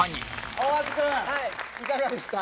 大橋君いかがでした？